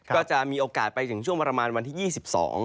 ก็จะมีโอกาสไปถึงช่วงประมาณวันที่๒๒